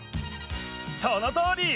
そのとおり！